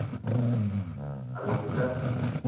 A llong nda